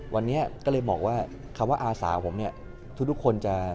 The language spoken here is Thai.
วันนี้ก็เลยบอกว่าคำว่าอาสาผมเนี่ยทุกคนจะ